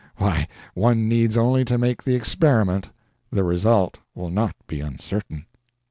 Why, one needs only to make the experiment the result will not be uncertain.